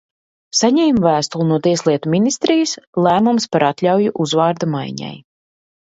Saņēmu vēstuli no Tieslietu ministrijas – lēmums par atļauju uzvārda maiņai.